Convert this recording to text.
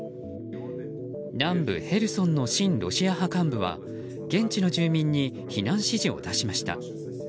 南部ヘルソンの親ロシア派幹部は現地の住民に避難指示を出しました。